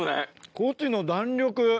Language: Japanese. コチの弾力。